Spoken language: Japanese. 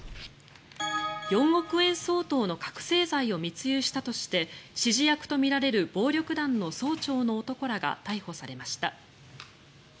４億円相当の覚醒剤を密輸したとして指示役とみられる暴力団の総長の男らが逮捕されました。